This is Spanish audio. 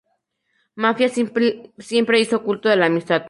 Maffia siempre hizo culto de la amistad.